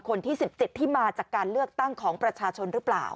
คนที่๑๗ที่มาจากการเลือกตั้งของประชาชนหรือเปล่า